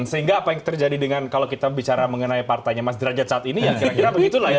sehingga apa yang terjadi dengan kalau kita bicara mengenai partainya mas derajat saat ini ya kira kira begitulah ya